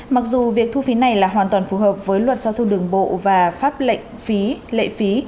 mặc dù việc thu phí này là hoàn toàn phù hợp với luật giao thông đường bộ và pháp lệnh phí lệ phí